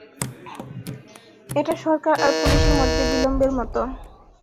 এটা সরকার আর পুলিশের মধ্যে বিলম্বের মতো।